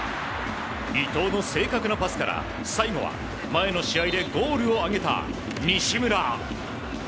伊東の正確なパスから最後は前の試合でゴールを挙げた西村。